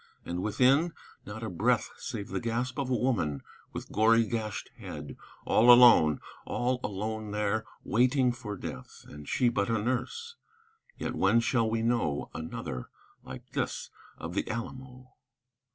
And within? Not a breath Save the gasp of a woman, with gory gashed head, All alone, all alone there, waiting for death; And she but a nurse. Yet when shall we know Another like this of the Alamo?